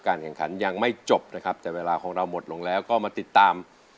แข่งขันยังไม่จบนะครับแต่เวลาของเราหมดลงแล้วก็มาติดตาม